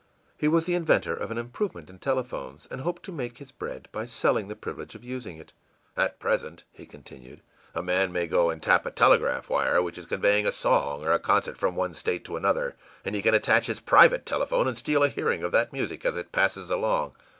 He was the inventor of an improvement in telephones, and hoped to make his bread by selling the privilege of using it. ìAt present,î he continued, ìa man may go and tap a telegraph wire which is conveying a song or a concert from one state to another, and he can attach his private telephone and steal a hearing of that music as it passes along.